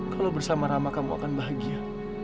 kalau bersama rama kamu akan bahagia